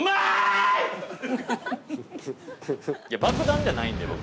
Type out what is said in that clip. いや、爆弾じゃないんで、僕。